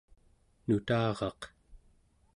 nutaraq